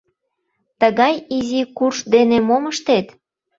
Тыгай изи курш дене мом ыштет?